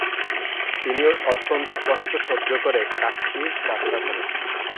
তিনি অত্যন্ত কষ্ট সহ্য করে কাশ্মীর যাত্রা করেন।